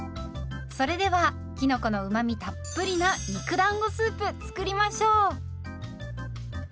それではきのこのうまみたっぷりな肉だんごスープ作りましょう。